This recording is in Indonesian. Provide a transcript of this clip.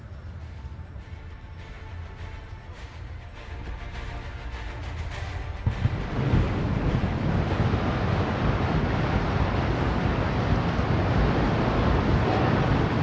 kri kepala kepala kepala